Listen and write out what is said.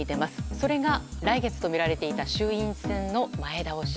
それが来月とみられていた衆院選の前倒し。